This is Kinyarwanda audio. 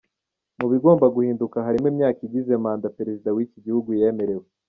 Mu bigomba guhinduka harimo imyaka igize manda Perezida w’ iki gihugu yemerewe.